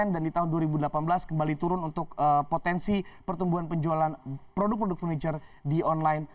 dan di tahun dua ribu delapan belas kembali turun untuk potensi pertumbuhan penjualan produk produk furniture di online